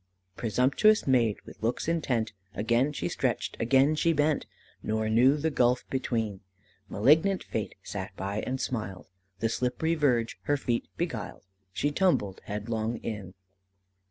"Presumptuous maid, with looks intent, Again she stretched, again she bent, Nor knew the gulf between; (Malignant Fate sat by and smiled) The slippery verge her feet beguiled, She tumbled headlong in.